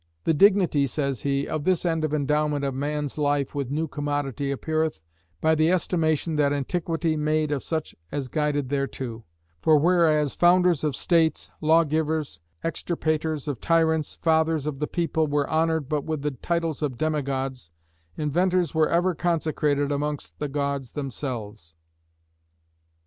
"The dignity," says he, "of this end of endowment of man's life with new commodity appeareth, by the estimation that antiquity made of such as guided thereunto; for whereas founders of states, lawgivers, extirpators of tyrants, fathers of the people, were honored but with the titles of demigods, inventors were ever consecrated amongst the gods themselves."